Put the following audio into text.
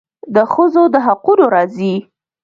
د ښځو د حقونو راځي.